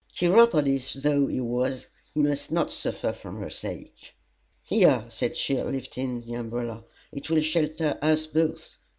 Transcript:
Chiropodist though he was, he must not suffer for her sake. "Here!" said she, lifting the umbrella, "it will shelter us both.